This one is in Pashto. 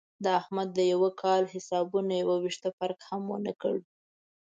د احمد د یوه کال حسابونو یو وېښته فرق هم ونه کړ.